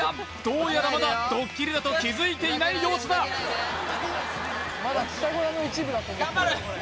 どうやらまだドッキリだと気づいていない様子だ！頑張る！